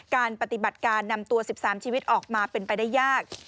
การปฏิบัติการนำตัว๑๓ชีวิตออกมาเป็นไปได้ยาก